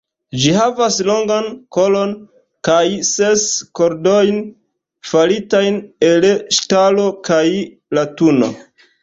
Ĝi havas longan kolon kaj ses kordojn faritajn el ŝtalo kaj latuno.